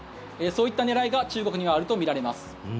そういった狙いが中国にはあるとみられます。